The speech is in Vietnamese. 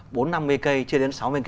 bốn trăm năm mươi km chia đến sáu mươi km